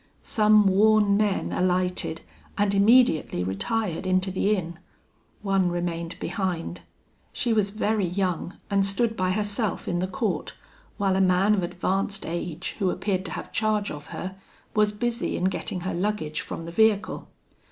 Some worn men alighted, and immediately retired into the inn. One remained behind: she was very young, and stood by herself in the court, while a man of advanced age, who appeared to have charge of her, was busy in getting her luggage from the vehicle.